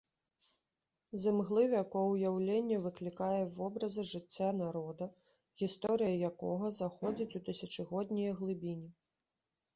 З імглы вякоў уяўленне выклікае вобразы жыцця народа, гісторыя якога заходзіць у тысячагоднія глыбіні.